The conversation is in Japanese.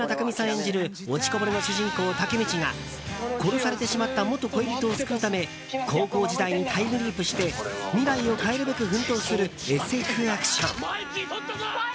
演じる落ちこぼれの主人公タケミチが殺されてしまった元恋人を救うため高校時代にタイムリープして未来を変えるべく奮闘するＳＦアクション。